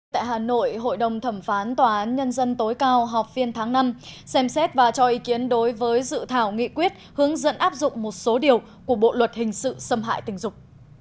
tại hà nội hội đồng thẩm phán tòa án nhân dân tối cao họp phiên tháng năm xem xét và cho ý kiến đối với dự thảo nghị quyết hướng dẫn áp dụng một số điều của bộ luật hình sự xâm hại tình dục